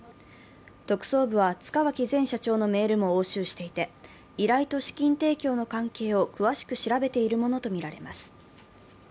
特捜部は塚脇前社長のメールも押収していて、依頼と資金提供の関係を詳しく調べているものとみられます。